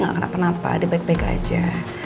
nggak kenapa kenapa dia baik baik aja